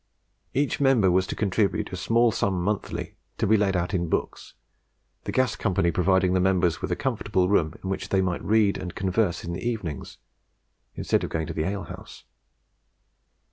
Each member was to contribute a small sum monthly, to be laid out in books, the Gas Company providing the members with a comfortable room in which they might meet to read and converse in the evenings instead of going to the alehouse.